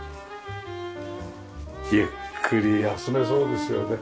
ゆっくり休めそうですよね。